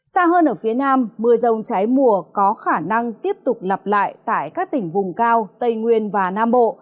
xa hơn ở phía nam mưa rông trái mùa có khả năng tiếp tục lặp lại tại các tỉnh vùng cao tây nguyên và nam bộ